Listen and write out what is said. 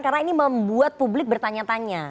karena ini membuat publik bertanya tanya